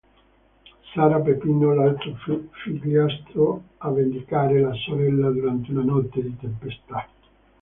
Sarà Peppino, l'altro figliastro, a vendicare la sorella durante una notte di tempesta.